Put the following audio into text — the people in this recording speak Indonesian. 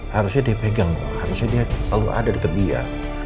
harusnya dia pegang harusnya dia selalu ada deket dia